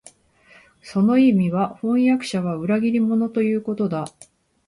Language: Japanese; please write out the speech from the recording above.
その意味は、飜訳者は裏切り者、ということだ